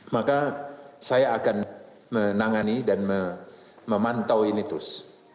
maka saya akan menangani dan memantau ini terus